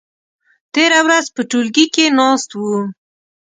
تېره ورځ په ټولګي کې ناست وو.